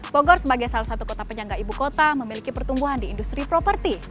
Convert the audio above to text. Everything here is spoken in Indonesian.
bogor sebagai salah satu kota penyangga ibu kota memiliki pertumbuhan di industri properti